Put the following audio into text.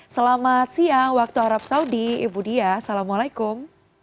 selamat siang waktu arab saudi ibu dia assalamualaikum